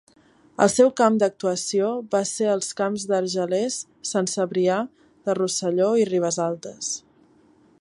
El seu camp d'actuació va ser els camps d'Argelers, Sant Cebrià de Rosselló i Ribesaltes.